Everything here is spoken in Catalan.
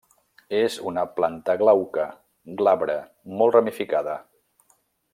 És una planta glauca, glabra molt ramificada.